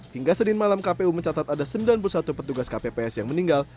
hingga senin malam kpu mencatat ada sembilan puluh satu petugas kpps yang meninggal